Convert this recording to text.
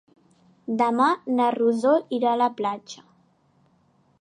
Demà na Rosó irà a la platja.